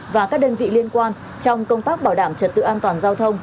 và các đơn vị liên quan trong công tác bảo đảm trật tự an toàn giao thông